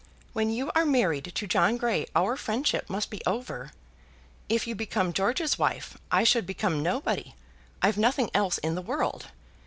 When you are married to John Grey, our friendship must be over. If you became George's wife I should become nobody. I've nothing else in the world.